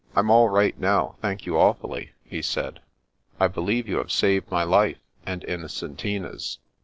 Fm all right now, thank you awfully," he said. " I be lieve you have saved my life and Innocentina's.